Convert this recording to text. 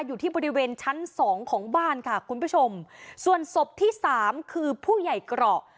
อยู่ที่บริเวณชั้นสองของบ้านค่ะคุณผู้ชมส่วนศพที่สามคือผู้ใหญ่เกราะ